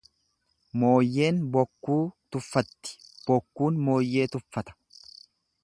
Mooyyeen bokkuu tuffatti bokkuun mooyyee tuffata.